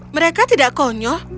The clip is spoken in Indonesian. mereka tidak konyol